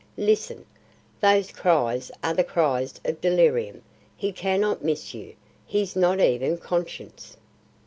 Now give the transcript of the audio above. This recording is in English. Listen! those cries are the cries of delirium; he cannot miss you; he's not even conscious."